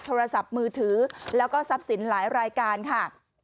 โทรศัพท์มือถือแล้วก็ทรัพย์สินหลายรายการค่ะ